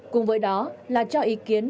cùng với đó là cho ý kiến